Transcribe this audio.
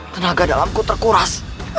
tenaga dalamku terkuras